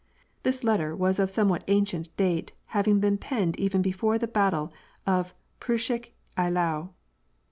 This letter was of somewhat ancient date, having been penned even before the battle of Preussisch Eylau.